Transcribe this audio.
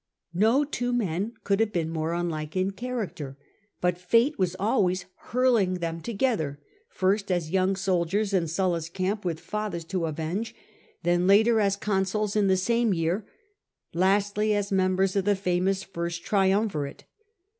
No two men could have been more unlike in character, but fate was always hurling them together, first as young soldiers in Sulla's camp with fathers to avenge, then later as consuls in the same year, lastly as members of the famous First Trium virate."